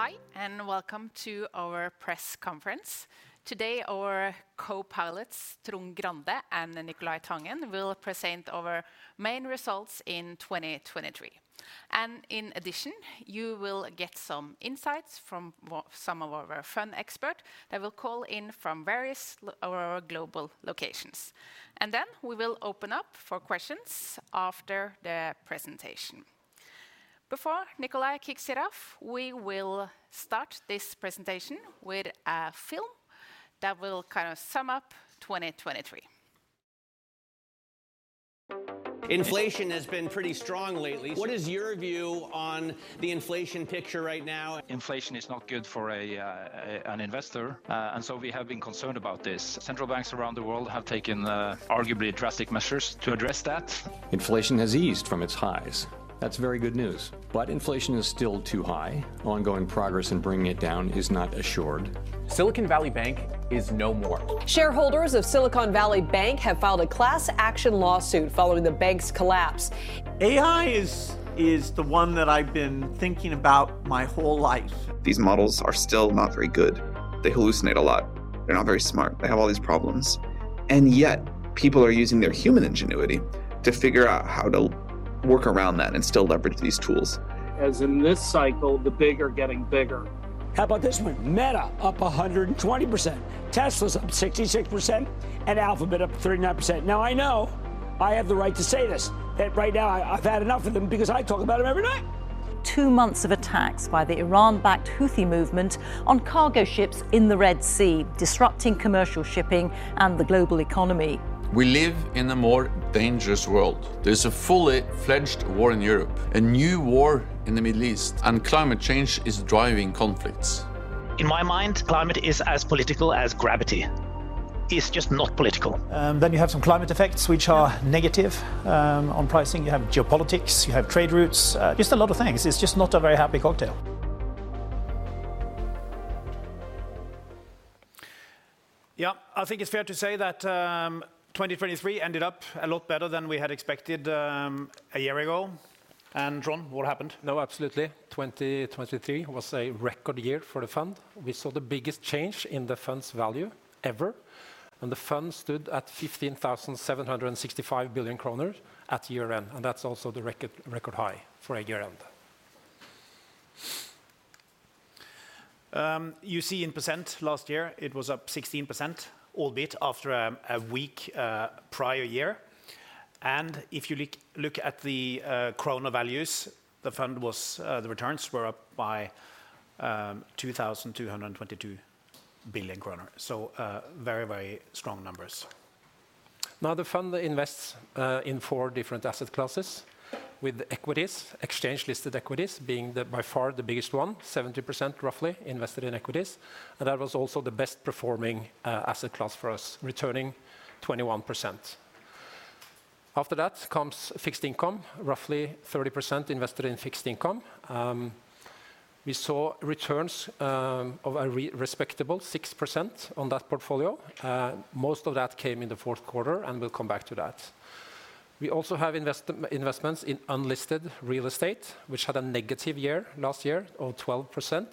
Hi, and welcome to our press conference. Today, our Co-pilots, Trond Grande and Nicolai Tangen, will present our main results in 2023. In addition, you will get some insights from what some of our fund expert that will call in from various our global locations. Then we will open up for questions after the presentation. Before Nicolai kicks it off, we will start this presentation with a film that will kind of sum up 2023. Inflation has been pretty strong lately. What is your view on the inflation picture right now? Inflation is not good for an investor, and so we have been concerned about this. Central banks around the world have taken arguably drastic measures to address that. Inflation has eased from its highs. That's very good news, but inflation is still too high. Ongoing progress in bringing it down is not assured. Silicon Valley Bank is no more. Shareholders of Silicon Valley Bank have filed a class action lawsuit following the bank's collapse. AI is the one that I've been thinking about my whole life. These models are still not very good. They hallucinate a lot. They're not very smart. They have all these problems, and yet people are using their human ingenuity to figure out how to work around that and still leverage these tools. As in this cycle, the big are getting bigger. How about this one? Meta, up 120%. Tesla's up 66%, and Alphabet up 39%. Now, I know I have the right to say this, that right now I, I've had enough of them because I talk about them every night. Two months of attacks by the Iran-backed Houthi movement on cargo ships in the Red Sea, disrupting commercial shipping and the global economy. We live in a more dangerous world. There's a fully-fledged war in Europe, a new war in the Middle East, and climate change is driving conflicts. In my mind, climate is as political as gravity. It's just not political. Then you have some climate effects which are negative on pricing. You have geopolitics, you have trade routes, just a lot of things. It's just not a very happy cocktail. Yeah, I think it's fair to say that, 2023 ended up a lot better than we had expected, a year ago. And Trond, what happened? No, absolutely. 2023 was a record year for the fund. We saw the biggest change in the fund's value ever, and the fund stood at 15,765 billion kroner at year-end, and that's also the record, record high for a year-end. You see in percent last year, it was up 16%, albeit after a weak prior year. And if you look at the kroner values, the fund was the returns were up by 2,222 billion kroner. So very, very strong numbers. Now, the fund invests in four different asset classes, with equities, exchange-listed equities, being by far the biggest one, 70%, roughly, invested in equities, and that was also the best performing asset class for us, returning 21%. After that comes fixed income, roughly 30% invested in fixed income. We saw returns of a respectable 6% on that portfolio. Most of that came in the fourth quarter, and we'll come back to that. We also have investments in unlisted real estate, which had a negative year last year of 12%.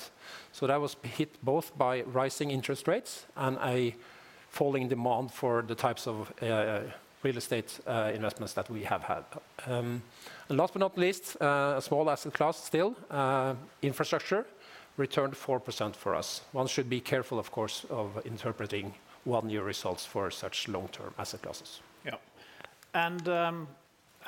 So that was hit both by rising interest rates and a falling demand for the types of real estate investments that we have had. And last but not least, a small asset class still, infrastructure, returned 4% for us. One should be careful, of course, of interpreting one-year results for such long-term asset classes. Yeah. And,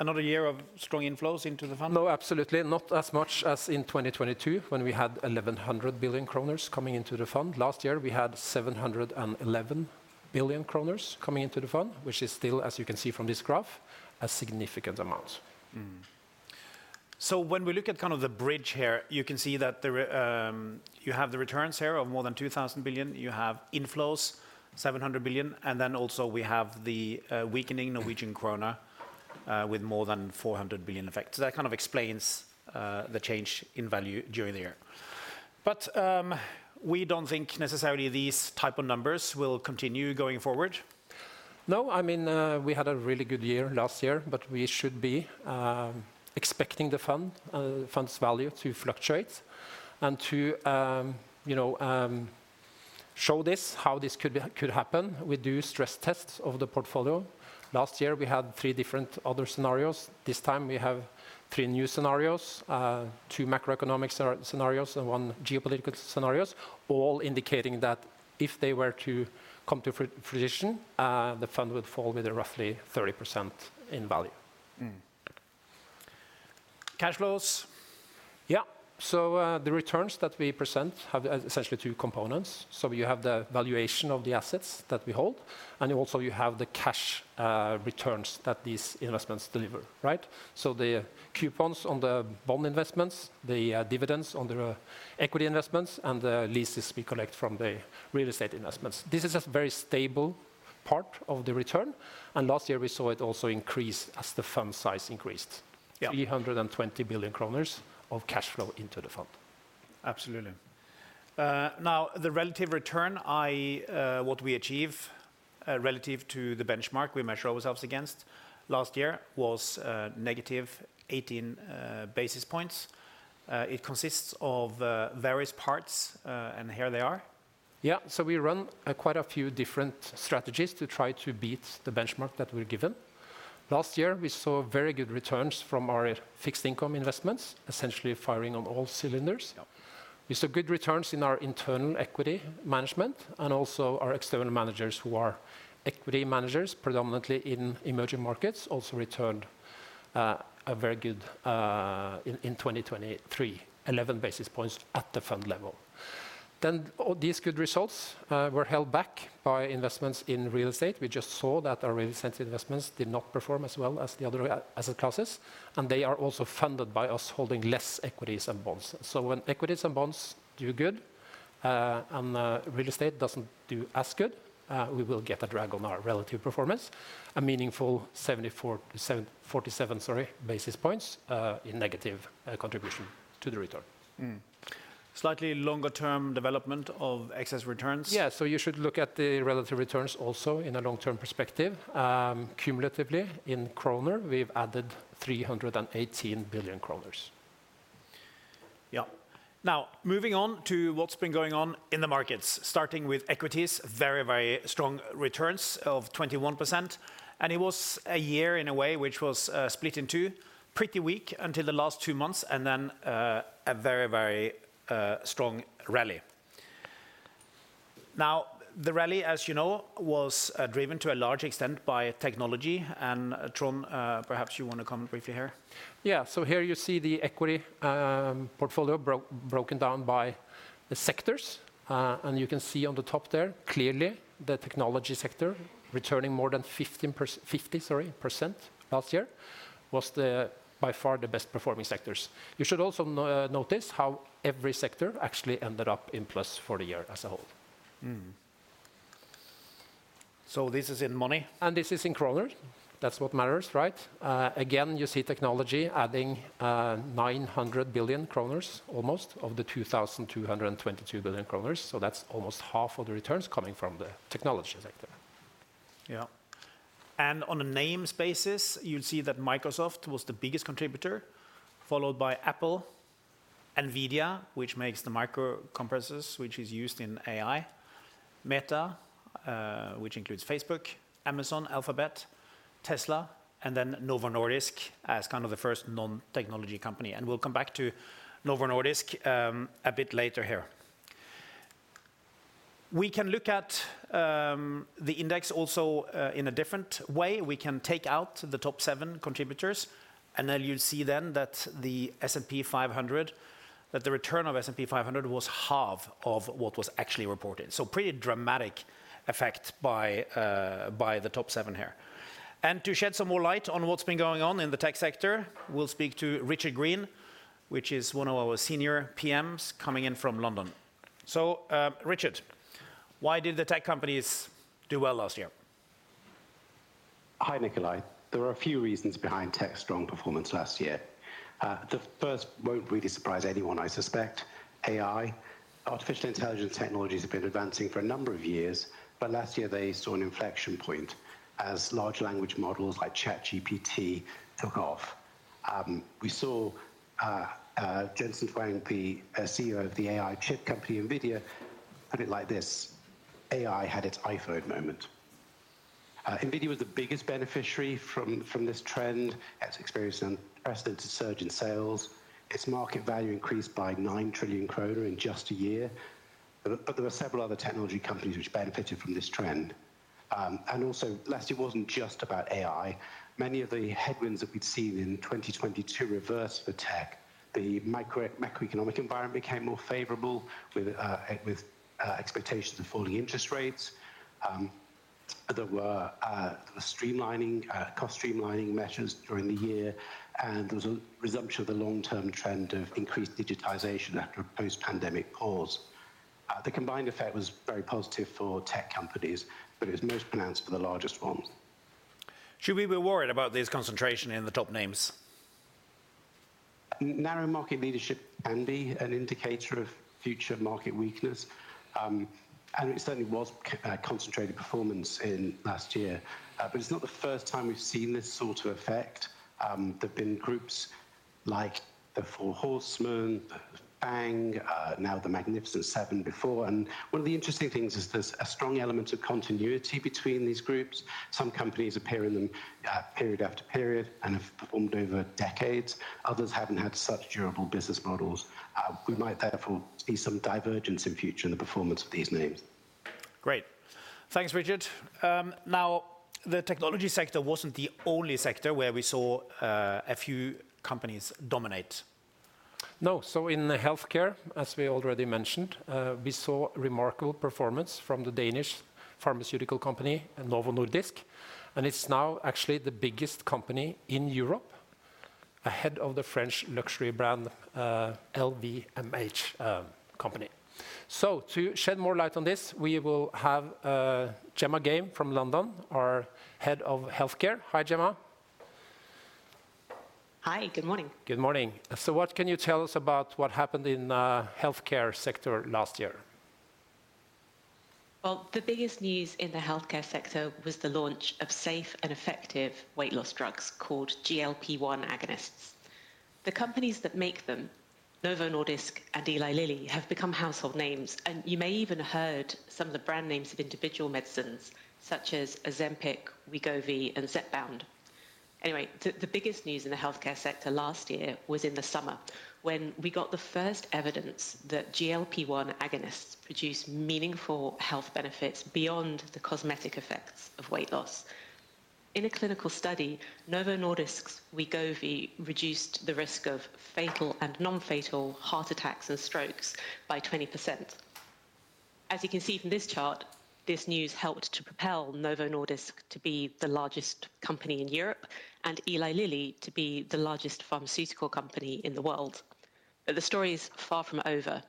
another year of strong inflows into the fund? No, absolutely. Not as much as in 2022, when we had 1,100 billion kroner coming into the fund. Last year, we had 711 billion kroner coming into the fund, which is still, as you can see from this graph, a significant amount. Mm-hmm. So when we look at kind of the bridge here, you can see that there, you have the returns here of more than 2,000 billion, you have inflows, 700 billion, and then also we have the weakening Norwegian kroner with more than 400 billion effect. So that kind of explains the change in value during the year. But we don't think necessarily these type of numbers will continue going forward. No, I mean, we had a really good year last year, but we should be expecting the fund, the fund's value to fluctuate. To, you know, show this, how this could be, could happen, we do stress tests of the portfolio. Last year, we had three different other scenarios. This time we have three new scenarios, two macroeconomic scenarios and one geopolitical scenarios, all indicating that if they were to come to fruition, the fund would fall with a roughly 30% in value. Cash flows? Yeah. So, the returns that we present have essentially two components. So you have the valuation of the assets that we hold, and also you have the cash returns that these investments deliver, right? So the coupons on the bond investments, the dividends on the equity investments, and the leases we collect from the real estate investments. This is a very stable part of the return, and last year we saw it also increase as the fund size increased. Yeah. 320 billion kroner of cash flow into the fund. Absolutely. Now, the relative return, i.e., what we achieve relative to the benchmark we measure ourselves against last year was negative 18 basis points. It consists of various parts, and here they are. Yeah, we run quite a few different strategies to try to beat the benchmark that we're given. Last year, we saw very good returns from our Fixed Income investments, essentially firing on all cylinders. Yeah. We saw good returns in our internal equity management, and also our external managers, who are equity managers, predominantly in emerging markets, also returned a very good in 2023, 11 basis points at the fund level. Then these good results were held back by investments in real estate. We just saw that our real estate investments did not perform as well as the other asset classes, and they are also funded by us holding less equities and bonds. So when equities and bonds do good, and real estate doesn't do as good, we will get a drag on our relative performance, a meaningful 74, 47, sorry, basis points in negative contribution to the return. Mm. Slightly longer-term development of excess returns. Yeah, so you should look at the relative returns also in a long-term perspective. Cumulatively, in kroner, we've added 318 billion kroner. Yeah. Now, moving on to what's been going on in the markets, starting with equities, very, very strong returns of 21%, and it was a year, in a way, which was split in two. Pretty weak until the last two months, and then a very, very strong rally. Now, the rally, as you know, was driven to a large extent by technology, and Trond, perhaps you want to comment briefly here? Yeah. So here you see the equity portfolio broken down by the sectors. And you can see on the top there, clearly, the technology sector, returning more than 50%, sorry, last year, was the by far the best performing sectors. You should also notice how every sector actually ended up in plus for the year as a whole. Mm-hmm. So this is in money? This is in kroner. That's what matters, right? Again, you see technology adding 900 billion kroner, almost, of the 2,222 billion kroner, so that's almost half of the returns coming from the technology sector. Yeah. And on a names basis, you'll see that Microsoft was the biggest contributor, followed by Apple, NVIDIA, which makes the microchips, which is used in AI, Meta, which includes Facebook, Amazon, Alphabet, Tesla, and then Novo Nordisk as kind of the first non-technology company. And we'll come back to Novo Nordisk, a bit later here. We can look at, the index also, in a different way. We can take out the top seven contributors, and then you'll see then that the S&P 500, that the return of S&P 500 was half of what was actually reported. So pretty dramatic effect by, by the top seven here. And to shed some more light on what's been going on in the tech sector, we'll speak to Richard Green, which is one of our senior PMs coming in from London. Richard, why did the tech companies do well last year? Hi, Nicolai. There are a few reasons behind tech's strong performance last year. The first won't really surprise anyone, I suspect: AI. Artificial intelligence technologies have been advancing for a number of years, but last year they saw an inflection point as large language models like ChatGPT took off. We saw Jensen Huang, the CEO of the AI chip company NVIDIA, put it like this: "AI had its iPhone moment." NVIDIA was the biggest beneficiary from this trend. It's experienced an unprecedented surge in sales. Its market value increased by 9 trillion kroner in just a year. But there were several other technology companies which benefited from this trend. And also, last year wasn't just about AI. Many of the headwinds that we'd seen in 2022 reversed for tech. The micro-macroeconomic environment became more favorable with expectations of falling interest rates. There were cost streamlining measures during the year, and there was a resumption of the long-term trend of increased digitization after a post-pandemic pause. The combined effect was very positive for tech companies, but it was most pronounced for the largest ones. Should we be worried about this concentration in the top names? Narrow market leadership can be an indicator of future market weakness, and it certainly was concentrated performance in last year. But it's not the first time we've seen this sort of effect. There have been groups like the Four Horsemen, the FANG, now the Magnificent Seven before, and one of the interesting things is there's a strong element of continuity between these groups. Some companies appear in them, period after period and have performed over decades. Others haven't had such durable business models. We might therefore see some divergence in future in the performance of these names. Great. Thanks, Richard. Now, the technology sector wasn't the only sector where we saw a few companies dominate. No. So in healthcare, as we already mentioned, we saw remarkable performance from the Danish pharmaceutical company, Novo Nordisk, and it's now actually the biggest company in Europe, ahead of the French luxury brand, LVMH, company. So to shed more light on this, we will have, Gemma Game from London, our Head of Healthcare. Hi, Gemma. Hi, good morning. Good morning. So what can you tell us about what happened in healthcare sector last year? Well, the biggest news in the healthcare sector was the launch of safe and effective weight loss drugs called GLP-1 agonists. The companies that make them, Novo Nordisk and Eli Lilly, have become household names, and you may even have heard some of the brand names of individual medicines, such as Ozempic, Wegovy, and Zepbound. Anyway, the biggest news in the healthcare sector last year was in the summer, when we got the first evidence that GLP-1 agonists produce meaningful health benefits beyond the cosmetic effects of weight loss. In a clinical study, Novo Nordisk's Wegovy reduced the risk of fatal and non-fatal heart attacks and strokes by 20%. As you can see from this chart, this news helped to propel Novo Nordisk to be the largest company in Europe and Eli Lilly to be the largest pharmaceutical company in the world. But the story is far from over.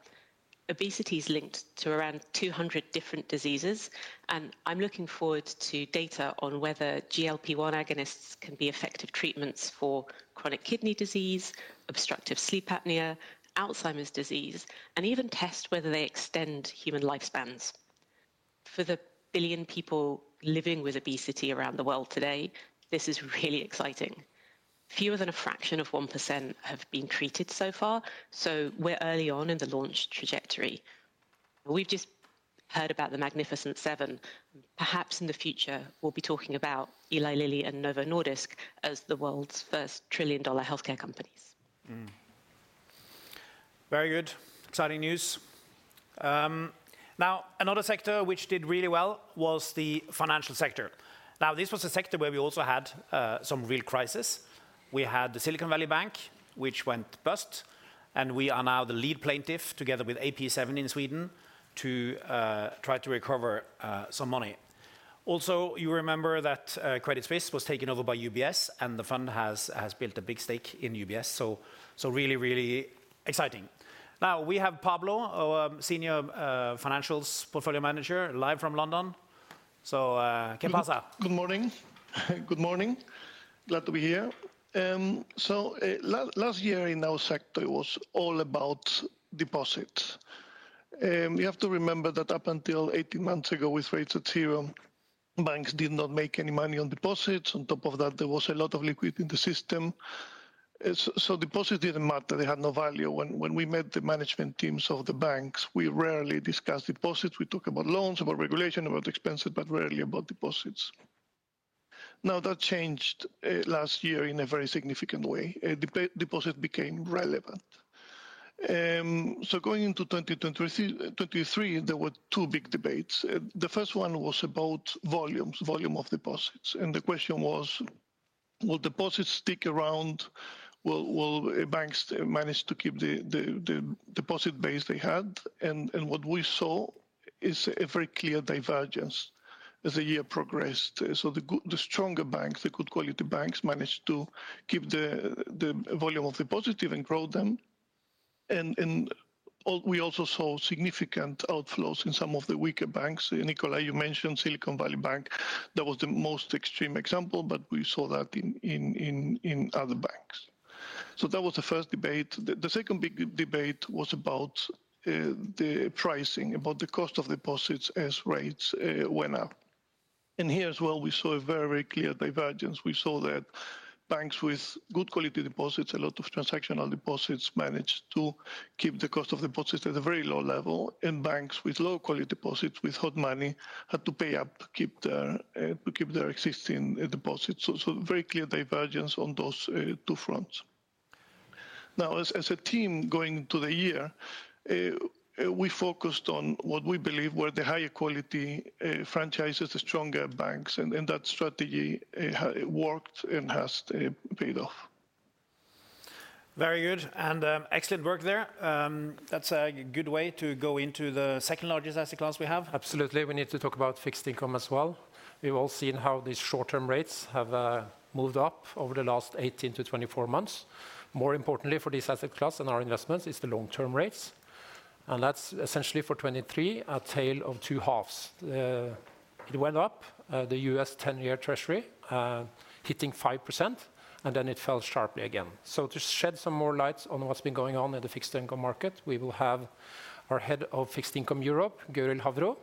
Obesity is linked to around 200 different diseases, and I'm looking forward to data on whether GLP-1 agonists can be effective treatments for chronic kidney disease, obstructive sleep apnea, Alzheimer's disease, and even test whether they extend human lifespans. For the 1 billion people living with obesity around the world today, this is really exciting. Fewer than a fraction of 1% have been treated so far, so we're early on in the launch trajectory. We've just heard about the Magnificent Seven. Perhaps in the future, we'll be talking about Eli Lilly and Novo Nordisk as the world's first trillion-dollar healthcare companies. Very good. Exciting news. Now, another sector which did really well was the financial sector. Now, this was a sector where we also had some real crisis. We had the Silicon Valley Bank, which went bust, and we are now the lead plaintiff, together with AP7 in Sweden, to try to recover some money. Also, you remember that, Credit Suisse was taken over by UBS, and the fund has built a big stake in UBS, so really, really exciting. Now, we have Pablo, our senior financials portfolio manager, live from London. So, Good morning. Good morning. Glad to be here. So, last year in our sector was all about deposits. You have to remember that up until 18 months ago, with rates at zero, banks did not make any money on deposits. On top of that, there was a lot of liquid in the system. So, deposit didn't matter. They had no value. When we met the management teams of the banks, we rarely discussed deposits. We talk about loans, about regulation, about expenses, but rarely about deposits. Now, that changed last year in a very significant way. Deposit became relevant. So going into 2023, there were two big debates. The first one was about volumes, volume of deposits, and the question was: Will deposits stick around? Will banks manage to keep the deposit base they had? And what we saw is a very clear divergence as the year progressed. So the good, the stronger banks, the good quality banks, managed to keep the volume of deposit and grow them. And we also saw significant outflows in some of the weaker banks. Nicola, you mentioned Silicon Valley Bank. That was the most extreme example, but we saw that in other banks. So that was the first debate. The second big debate was about the pricing, about the cost of deposits as rates went up. And here as well, we saw a very clear divergence. We saw that banks with good quality deposits, a lot of transactional deposits, managed to keep the cost of deposits at a very low level, and banks with low-quality deposits, with hot money, had to pay up to keep their existing deposits. So, very clear divergence on those two fronts. Now, as a team, going into the year, we focused on what we believe were the higher quality franchises, the stronger banks, and that strategy has worked and has paid off. Very good, and, excellent work there. That's a good way to go into the second largest asset class we have. Absolutely. We need to talk about fixed income as well. We've all seen how these short-term rates have moved up over the last 18-24 months. More importantly for this asset class and our investments is the long-term rates, and that's essentially, for 2023, a tale of two halves. It went up, the U.S. 10-year Treasury, hitting 5%, and then it fell sharply again. So to shed some more light on what's been going on in the fixed income market, we will have our Head of Fixed Income Europe, Gøril Havro.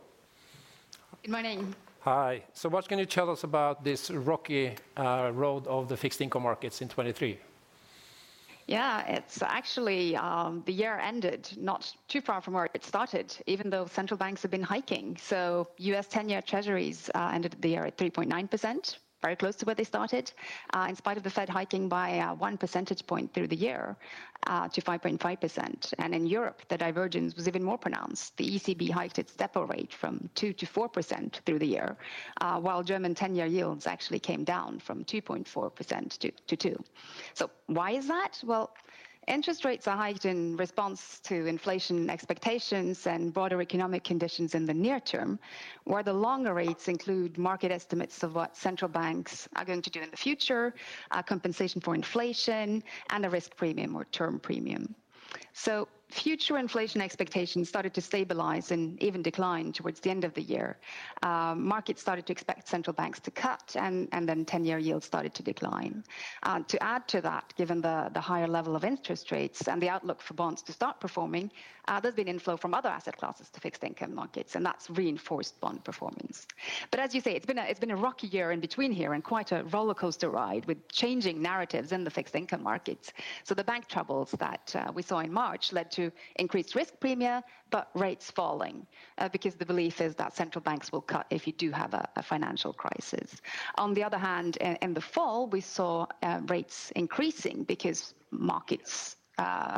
Good morning. Hi. So what can you tell us about this rocky road of the fixed income markets in 2023? Yeah. It's actually the year ended not too far from where it started, even though central banks have been hiking. So U.S. 10-year Treasuries ended the year at 3.9%, very close to where they started, in spite of the Fed hiking by one percentage point through the year to 5.5%. And in Europe, the divergence was even more pronounced. The ECB hiked its depo rate from 2%-4% through the year, while German 10-year yields actually came down from 2.4% to 2%. So why is that? Well, interest rates are hiked in response to inflation expectations and broader economic conditions in the near term, where the longer rates include market estimates of what central banks are going to do in the future, compensation for inflation, and a risk premium or term premium.... So future inflation expectations started to stabilize and even decline towards the end of the year. Markets started to expect central banks to cut, and then ten-year yields started to decline. To add to that, given the higher level of interest rates and the outlook for bonds to start performing, there's been inflow from other asset classes to fixed income markets, and that's reinforced bond performance. But as you say, it's been a rocky year in between here and quite a rollercoaster ride, with changing narratives in the fixed income markets. So the bank troubles that we saw in March led to increased risk premia, but rates falling, because the belief is that central banks will cut if you do have a financial crisis. On the other hand, in the fall, we saw rates increasing because markets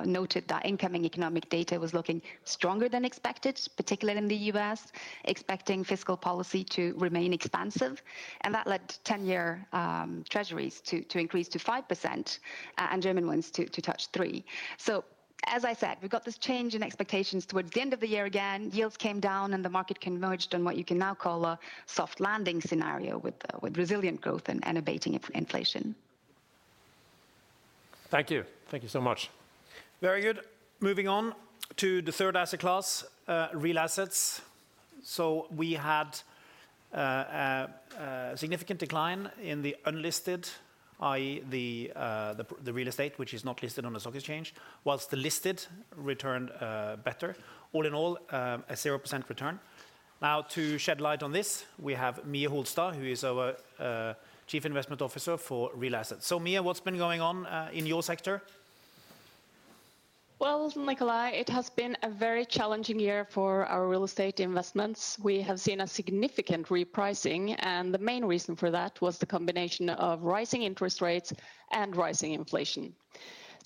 noted that incoming economic data was looking stronger than expected, particularly in the U.S., expecting fiscal policy to remain expansive, and that led to 10-year Treasuries to increase to 5%, and German ones to touch 3%. So, as I said, we got this change in expectations towards the end of the year again, yields came down, and the market converged on what you can now call a soft landing scenario with resilient growth and abating inflation. Thank you. Thank you so much. Very good. Moving on to the third asset class, real assets. So we had significant decline in the unlisted, i.e., the real estate, which is not listed on the stock exchange, while the listed returned better. All in all, a 0% return. Now, to shed light on this, we have Mie Holstad, who is our Chief Investment Officer for Real Assets. So, Mie, what's been going on in your sector? Well, Nicolai, it has been a very challenging year for our real estate investments. We have seen a significant repricing, and the main reason for that was the combination of rising interest rates and rising inflation.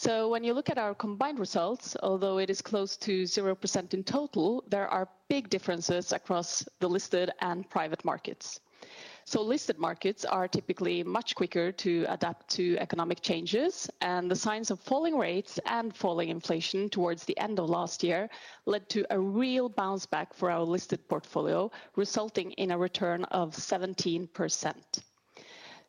When you look at our combined results, although it is close to 0% in total, there are big differences across the listed and private markets. Listed markets are typically much quicker to adapt to economic changes, and the signs of falling rates and falling inflation towards the end of last year led to a real bounce back for our listed portfolio, resulting in a return of 17%.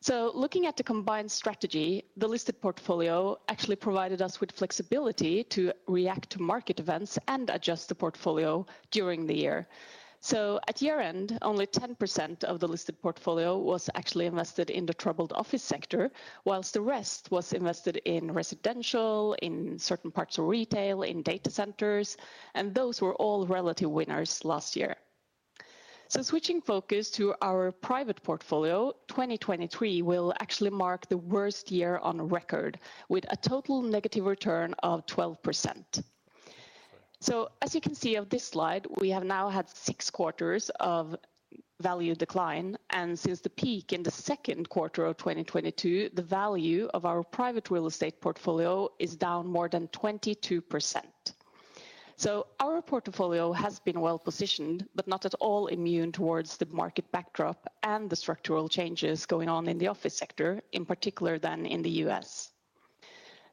Looking at the combined strategy, the listed portfolio actually provided us with flexibility to react to market events and adjust the portfolio during the year. So at year-end, only 10% of the listed portfolio was actually invested in the troubled office sector, while the rest was invested in residential, in certain parts of retail, in data centers, and those were all relative winners last year. So switching focus to our private portfolio, 2023 will actually mark the worst year on record, with a total negative return of 12%. So as you can see on this slide, we have now had 6 quarters of value decline, and since the peak in the second quarter of 2022, the value of our private real estate portfolio is down more than 22%. So our portfolio has been well positioned, but not at all immune towards the market backdrop and the structural changes going on in the office sector, in particular, in the U.S.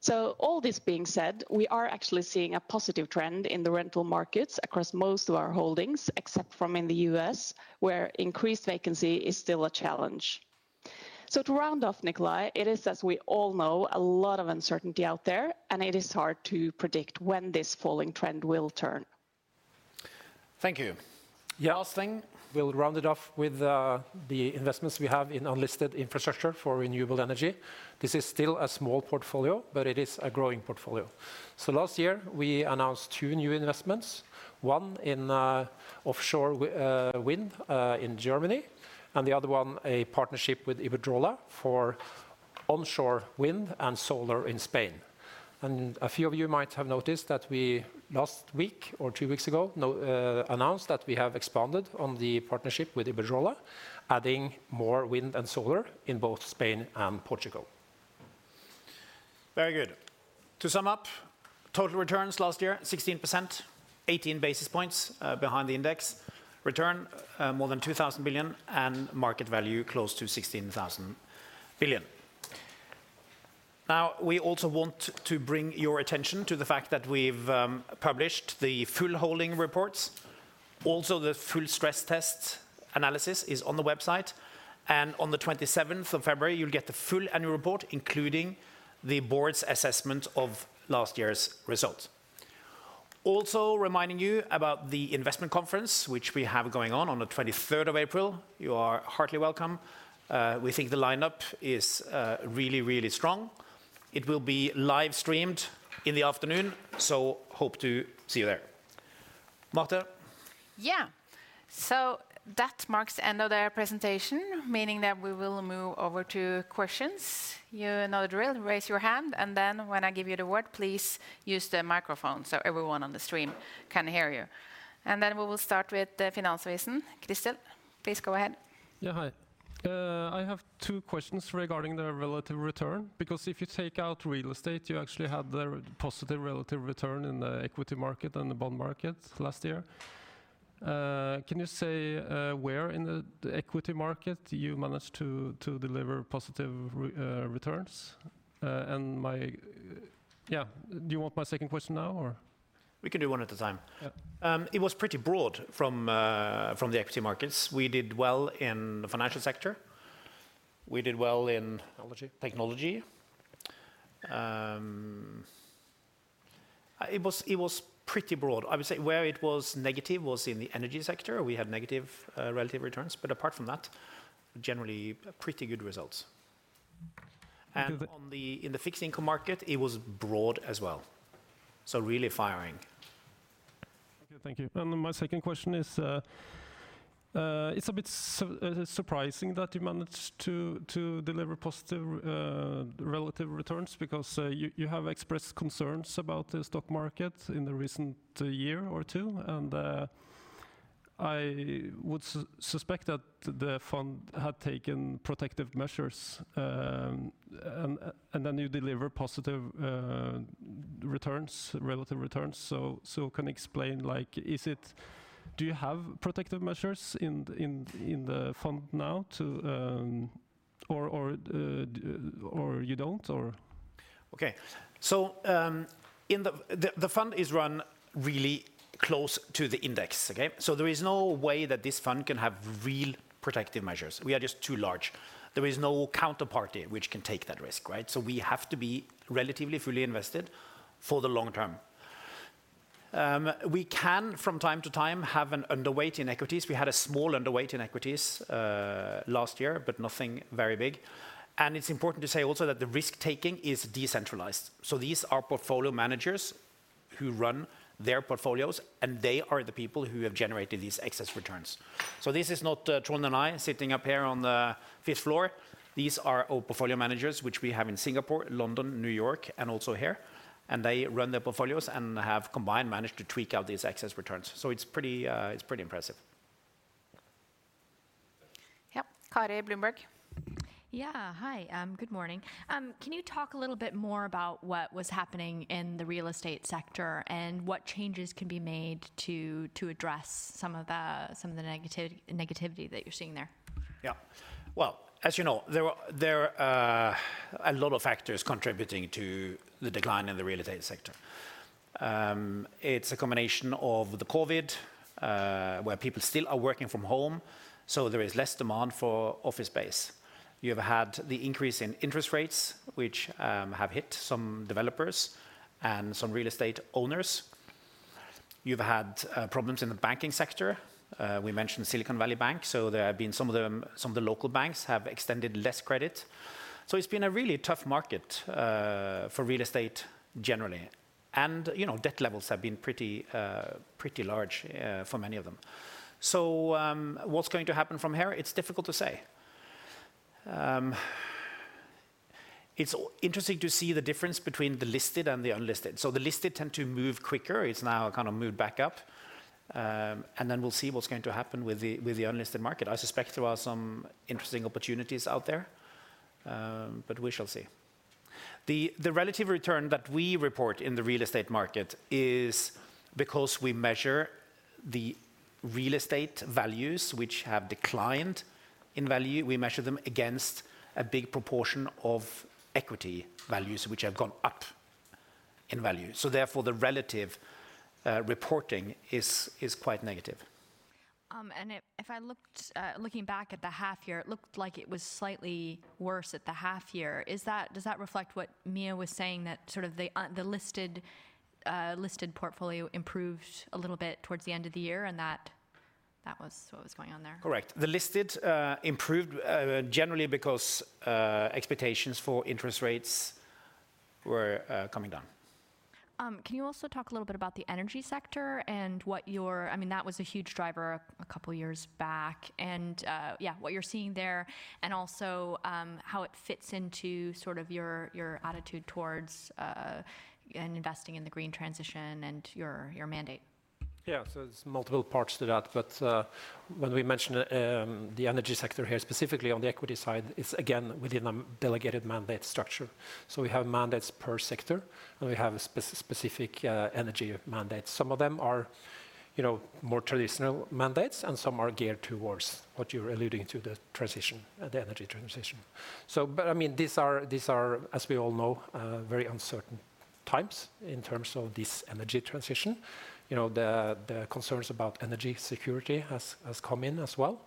So all this being said, we are actually seeing a positive trend in the rental markets across most of our holdings, except from in the U.S., where increased vacancy is still a challenge. So to round off, Nicolai, it is, as we all know, a lot of uncertainty out there, and it is hard to predict when this falling trend will turn. Thank you. Yeah. Last thing, we'll round it off with the investments we have in unlisted infrastructure for renewable energy. This is still a small portfolio, but it is a growing portfolio. So last year, we announced two new investments, one in offshore wind in Germany, and the other one, a partnership with Iberdrola for onshore wind and solar in Spain. And a few of you might have noticed that we, last week or two weeks ago, announced that we have expanded on the partnership with Iberdrola, adding more wind and solar in both Spain and Portugal. Very good. To sum up, total returns last year, 16%, 18 basis points behind the index return, more than 2,000 billion, and market value, close to 16,000 billion. Now, we also want to bring your attention to the fact that we've published the full holding reports. Also, the full stress test analysis is on the website, and on the twenty-seventh of February, you'll get the full annual report, including the board's assessment of last year's results. Also, reminding you about the investment conference, which we have going on on the twenty-third of April. You are heartily welcome. We think the lineup is really, really strong. It will be live streamed in the afternoon, so hope to see you there. Marthe? Yeah. So that marks the end of their presentation, meaning that we will move over to questions. You know the drill, raise your hand, and then when I give you the word, please use the microphone so everyone on the stream can hear you. And then we will start with the Finansavisen. Christer, please go ahead. Yeah, hi. I have two questions regarding the relative return, because if you take out real estate, you actually had the positive relative return in the equity market and the bond market last year. Can you say where in the equity market you managed to deliver positive returns? Yeah, do you want my second question now, or? We can do one at a time. Yeah. It was pretty broad from the equity markets. We did well in the financial sector.... We did well in- Technology. -technology. It was pretty broad. I would say where it was negative was in the energy sector. We had negative relative returns, but apart from that, generally pretty good results. Do the- In the fixed income market, it was broad as well, so really firing. Okay, thank you. And then my second question is, it's a bit surprising that you managed to deliver positive relative returns because you have expressed concerns about the stock market in the recent year or two. And I would suspect that the fund had taken protective measures, and then you deliver positive returns, relative returns. So can you explain, like, is it-- do you have protective measures in the fund now to, or you don't, or? Okay. So, the fund is run really close to the index, okay? So there is no way that this fund can have real protective measures. We are just too large. There is no counterparty which can take that risk, right? So we have to be relatively fully invested for the long term. We can, from time to time, have an underweight in equities. We had a small underweight in equities, last year, but nothing very big. And it's important to say also that the risk-taking is decentralized. So these are portfolio managers who run their portfolios, and they are the people who have generated these excess returns. So this is not, Trond and I sitting up here on the fifth floor. These are our portfolio managers, which we have in Singapore, London, New York, and also here, and they run their portfolios and have combined, managed to tweak out these excess returns. So it's pretty, it's pretty impressive. Yep. Kari, Bloomberg. Yeah. Hi, good morning. Can you talk a little bit more about what was happening in the real estate sector, and what changes can be made to address some of the negativity that you're seeing there? Yeah. Well, as you know, there were, there are, a lot of factors contributing to the decline in the real estate sector. It's a combination of the COVID, where people still are working from home, so there is less demand for office space. You have had the increase in interest rates, which have hit some developers and some real estate owners. You've had problems in the banking sector. We mentioned Silicon Valley Bank, so there have been some of them, some of the local banks have extended less credit. So it's been a really tough market for real estate generally. And, you know, debt levels have been pretty, pretty large for many of them. So, what's going to happen from here? It's difficult to say. It's interesting to see the difference between the listed and the unlisted. So the listed tend to move quicker. It's now kind of moved back up. And then we'll see what's going to happen with the unlisted market. I suspect there are some interesting opportunities out there, but we shall see. The relative return that we report in the real estate market is because we measure the real estate values, which have declined in value. We measure them against a big proportion of equity values, which have gone up in value. So therefore, the relative reporting is quite negative. And if I looked back at the half year, it looked like it was slightly worse at the half year. Does that reflect what Mie was saying, that sort of the listed portfolio improved a little bit towards the end of the year, and that was what was going on there? Correct. The listed improved generally because expectations for interest rates were coming down. Can you also talk a little bit about the energy sector and what you're... I mean, that was a huge driver a couple of years back, and, yeah, what you're seeing there, and also, how it fits into sort of your, your attitude towards, in investing in the green transition and your, your mandate. Yeah. So there's multiple parts to that, but, when we mention, the energy sector here, specifically on the equity side, it's again within a delegated mandate structure. So we have mandates per sector, and we have a specific, energy mandate. Some of them are, you know, more traditional mandates, and some are geared towards what you're alluding to, the transition, the energy transition. So but, I mean, these are, these are, as we all know, very uncertain times in terms of this energy transition. You know, the, the concerns about energy security has, has come in as well.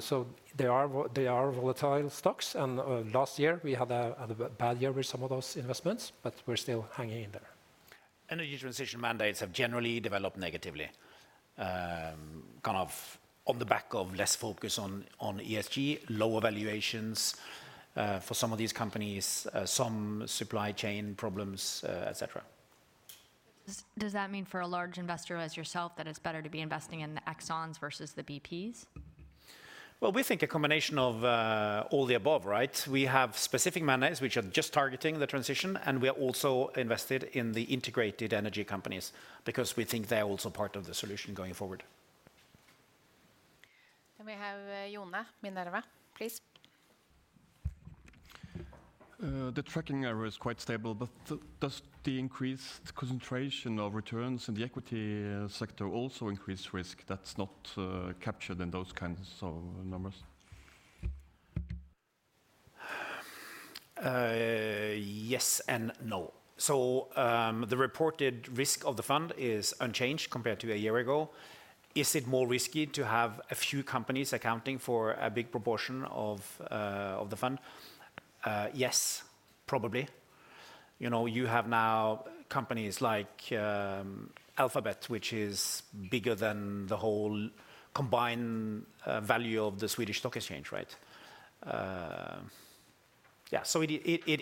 So they are, they are volatile stocks, and, last year we had a, had a bad year with some of those investments, but we're still hanging in there. Energy transition mandates have generally developed negatively, kind of on the back of less focus on ESG, lower valuations for some of these companies, some supply chain problems, et cetera. Does that mean for a large investor as yourself, that it's better to be investing in the Exxons versus the BPs? Well, we think a combination of all the above, right? We have specific mandates which are just targeting the transition, and we are also invested in the integrated energy companies because we think they are also part of the solution going forward. Then we have Jone, Minerva, please. The tracking error is quite stable, but does the increased concentration of returns in the equity sector also increase risk that's not captured in those kinds of numbers? Yes and no. So, the reported risk of the fund is unchanged compared to a year ago. Is it more risky to have a few companies accounting for a big proportion of the fund? Yes, probably. You know, you have now companies like Alphabet, which is bigger than the whole combined value of the Swedish stock exchange, right? Yeah, so it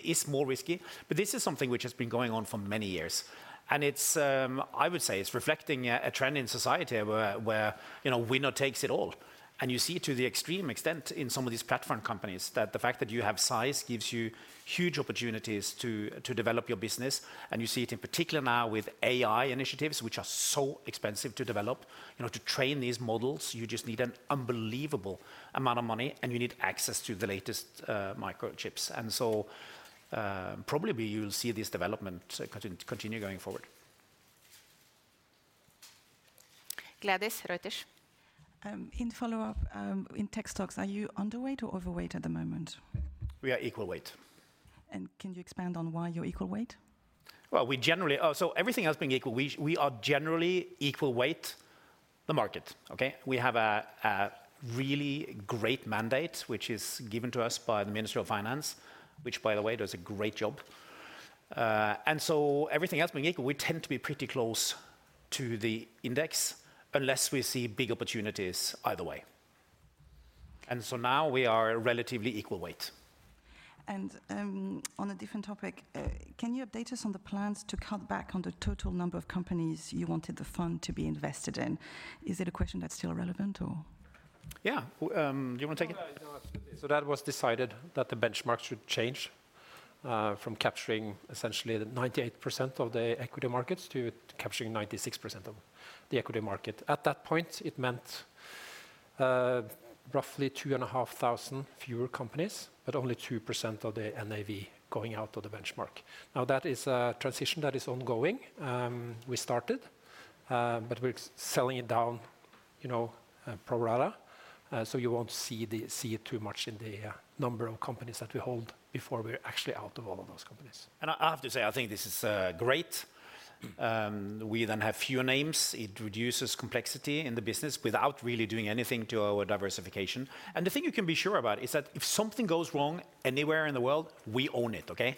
is more risky, but this is something which has been going on for many years, and it's, I would say it's reflecting a trend in society where you know, winner takes it all. And you see it to the extreme extent in some of these platform companies, that the fact that you have size gives you huge opportunities to develop your business. You see it in particular now with AI initiatives, which are so expensive to develop. You know, to train these models, you just need an unbelievable amount of money, and you need access to the latest microchips. So, probably you'll see this development continue going forward. Gladys Reuters. In follow-up, in tech stocks, are you underweight or overweight at the moment? We are equal weight. Can you expand on why you're equal weight? Well, we generally... so everything else being equal, we, we are generally equal weight the market, okay? We have a, a really great mandate, which is given to us by the Ministry of Finance, which, by the way, does a great job. And so everything else being equal, we tend to be pretty close to the index unless we see big opportunities either way. And so now we are relatively equal weight. On a different topic, can you update us on the plans to cut back on the total number of companies you wanted the fund to be invested in? Is it a question that's still relevant, or? Yeah. Do you want to take it? Yeah, no, absolutely. So that was decided that the benchmark should change from capturing essentially the 98% of the equity markets to capturing 96% of the equity market. At that point, it meant roughly 2,500 fewer companies, but only 2% of the NAV going out of the benchmark. Now, that is a transition that is ongoing. We started, but we're selling it down, you know, pro rata, so you won't see it too much in the number of companies that we hold before we're actually out of all of those companies. I have to say, I think this is great. We then have fewer names. It reduces complexity in the business without really doing anything to our diversification. And the thing you can be sure about is that if something goes wrong anywhere in the world, we own it, okay?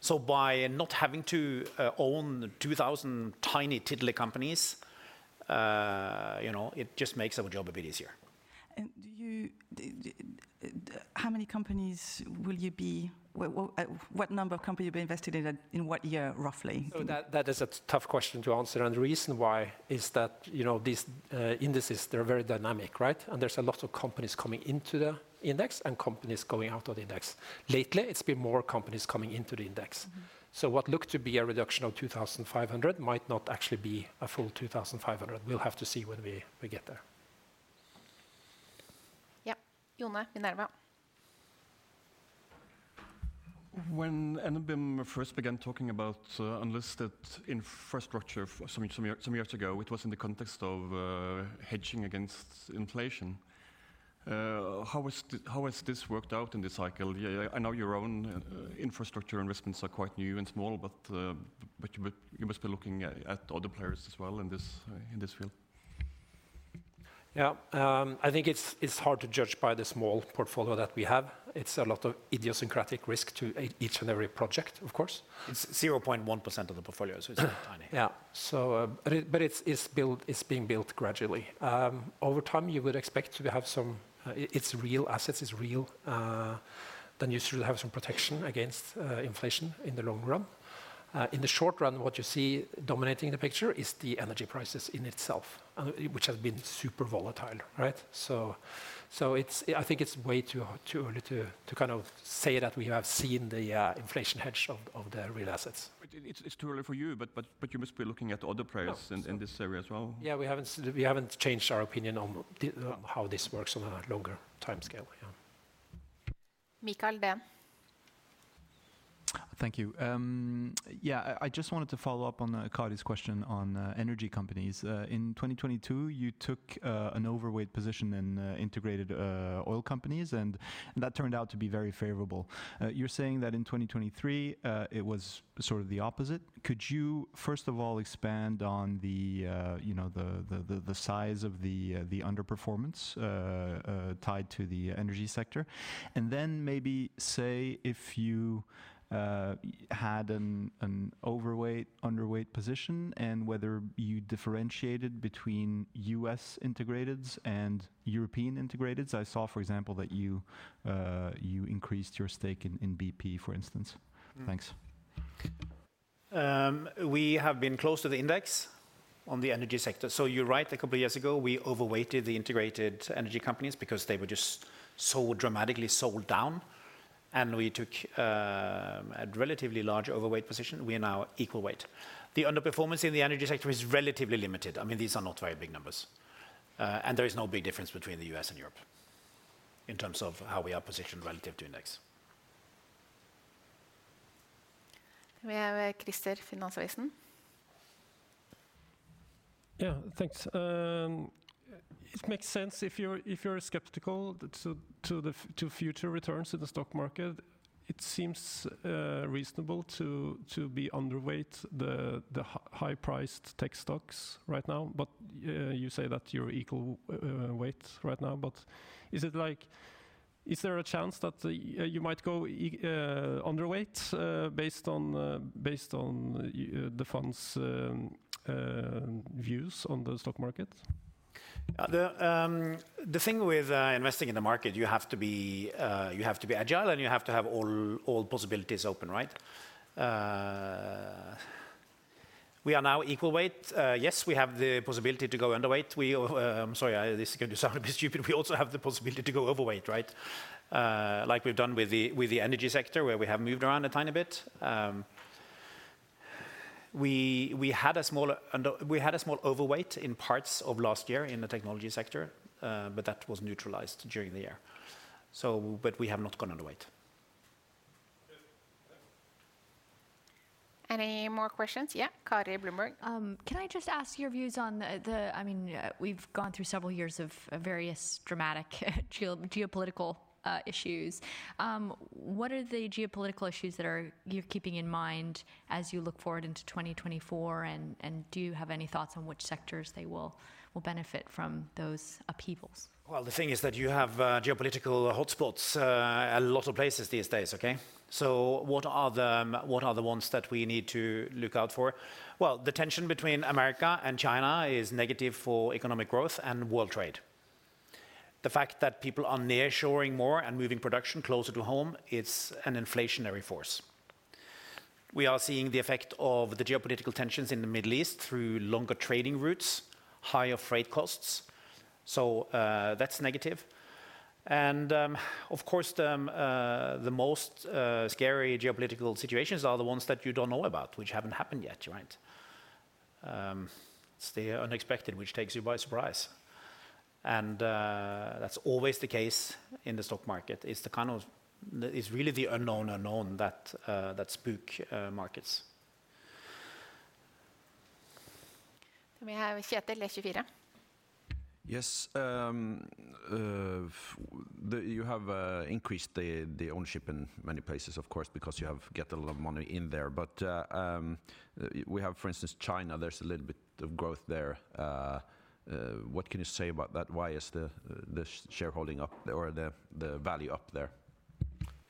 So by not having to own 2,000 tiny, tiddly companies, you know, it just makes our job a bit easier. And do you, how many companies will you be... what number of companies will you be invested in, in what year, roughly? That is a tough question to answer. The reason why is that, you know, these indices, they're very dynamic, right? There's a lot of companies coming into the index and companies going out of the index. Lately, it's been more companies coming into the index. Mm-hmm. So what looked to be a reduction of 2,500 might not actually be a full 2,500. We'll have to see when we get there. Yeah. Jone Grønvik. When NBIM first began talking about unlisted infrastructure some years ago, it was in the context of hedging against inflation. How has this worked out in this cycle? Yeah, I know your own infrastructure investments are quite new and small, but you must be looking at other players as well in this field. Yeah. I think it's hard to judge by the small portfolio that we have. It's a lot of idiosyncratic risk to each and every project, of course. It's 0.1% of the portfolio, so it's tiny. Yeah. So, but it's being built gradually. Over time, you would expect to have some, It's real, assets is real, then you should have some protection against inflation in the long run. In the short run, what you see dominating the picture is the energy prices in itself, which has been super volatile, right? So, it's way too early to kind of say that we have seen the inflation hedge of the real assets. But it's too early for you, but you must be looking at other players- No... in this area as well. Yeah, we haven't changed our opinion on the, how this works on a longer timescale. Yeah. Mikael Dem. Thank you. Yeah, I just wanted to follow up on Kari's question on energy companies. In 2022, you took an overweight position in integrated oil companies, and that turned out to be very favorable. You're saying that in 2023, it was sort of the opposite. Could you, first of all, expand on the you know, the size of the underperformance tied to the energy sector? And then maybe say if you had an overweight, underweight position, and whether you differentiated between U.S. integrateds and European integrateds. I saw, for example, that you increased your stake in BP, for instance. Mm. Thanks. We have been close to the index on the energy sector. So you're right, a couple of years ago, we overweighted the integrated energy companies because they were just so dramatically sold down, and we took a relatively large overweight position. We are now equal weight. The underperformance in the energy sector is relatively limited. I mean, these are not very big numbers. And there is no big difference between the U.S. and Europe in terms of how we are positioned relative to index. We have Christer Finansavisen.... Yeah, thanks. It makes sense if you're skeptical to the future returns to the stock market. It seems reasonable to be underweight the high-priced tech stocks right now. But you say that you're equal weight right now, but is it like... Is there a chance that you might go underweight based on the fund's views on the stock market? The thing with investing in the market, you have to be agile, and you have to have all possibilities open, right? We are now equal weight. Yes, we have the possibility to go underweight. I'm sorry, this is going to sound a bit stupid. We also have the possibility to go overweight, right? Like we've done with the energy sector, where we have moved around a tiny bit. We had a small overweight in parts of last year in the technology sector, but that was neutralized during the year. So, but we have not gone underweight. Any more questions? Yeah, Kari, Bloomberg. Can I just ask your views on the, I mean, we've gone through several years of various dramatic geopolitical issues. What are the geopolitical issues that you're keeping in mind as you look forward into 2024, and do you have any thoughts on which sectors they will benefit from those upheavals? Well, the thing is that you have geopolitical hotspots a lot of places these days, okay? So what are the ones that we need to look out for? Well, the tension between America and China is negative for economic growth and world trade. The fact that people are nearshoring more and moving production closer to home, it's an inflationary force. We are seeing the effect of the geopolitical tensions in the Middle East through longer trading routes, higher freight costs, so that's negative. And, of course, the most scary geopolitical situations are the ones that you don't know about, which haven't happened yet, right? It's the unexpected, which takes you by surprise, and that's always the case in the stock market. It's the kind of, it's really the unknown unknown that spook markets. We have Kjetil, E24. Yes, you have increased the ownership in many places, of course, because you've got a lot of money in there. But we have, for instance, China; there's a little bit of growth there. What can you say about that? Why is the shareholding up or the value up there?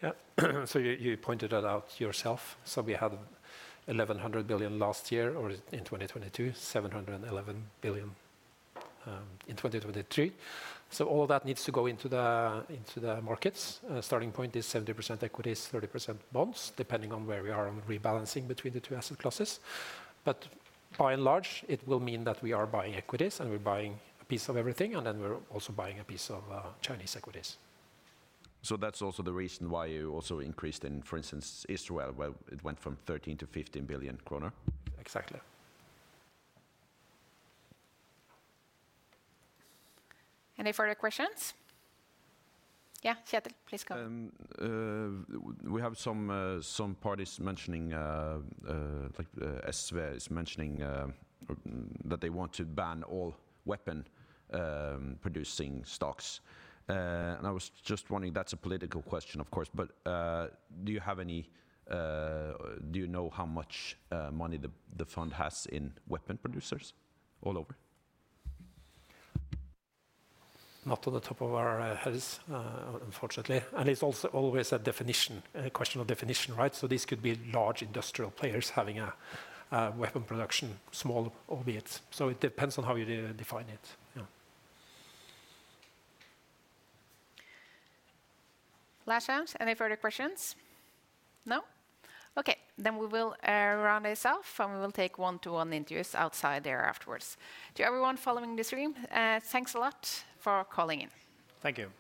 Yeah, so you, you pointed that out yourself. So we had 1,100 billion last year, or in 2022, 711 billion in 2023. So all that needs to go into the markets. Starting point is 70% equities, 30% bonds, depending on where we are on rebalancing between the two asset classes. But by and large, it will mean that we are buying equities, and we're buying a piece of everything, and then we're also buying a piece of Chinese equities. So that's also the reason why you also increased in, for instance, Israel, where it went from 13 billion-15 billion kroner? Exactly. Any further questions? Yeah, Kjetil, please go. We have some some parties mentioning, like, SV is mentioning that they want to ban all weapon producing stocks. And I was just wondering, that's a political question, of course, but do you have any... Do you know how much money the the fund has in weapon producers all over? Not on the top of our heads, unfortunately, and it's also always a definition, a question of definition, right? So this could be large industrial players having a weapon production, albeit small. So it depends on how you define it. Yeah. Last chance. Any further questions? No. Okay, then we will round this off, and we will take one-to-one interviews outside there afterwards. To everyone following the stream, thanks a lot for calling in. Thank you. Thank you.